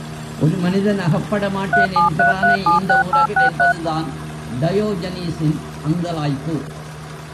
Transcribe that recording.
ஒரு மனிதன் அகப்படமாட்டேன் என்கிறானே இந்த உலகில், என்பது தான் டயோஜனீஸின் அங்கலாய்ப்பு.